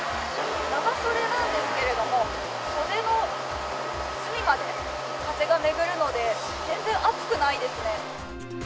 長袖なんですけども、袖の隅まで風が巡るので全然暑くないですね。